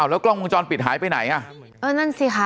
แล้วกล้องวงจรปิดหายไปไหนอ่ะเออนั่นสิค่ะ